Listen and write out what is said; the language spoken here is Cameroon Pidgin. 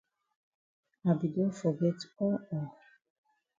I be don forget all all.